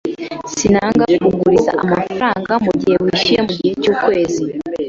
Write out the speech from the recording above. Sinanga kuguriza amafaranga mugihe wishyuye mugihe cyukwezi.